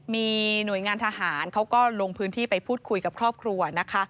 มีหน่วยงานทหารเขาก็ลงพื้นที่ไปพูดคุยกับครอบครัวนะคะ